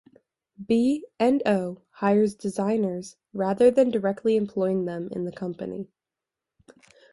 B and O hires designers rather than directly employing them in the company.